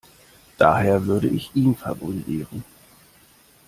Daher würde ich ihn favorisieren.